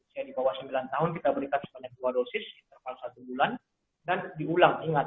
saya di bawah sembilan tahun kita berikan sebanyak dua dosis interval satu bulan dan diulang ingat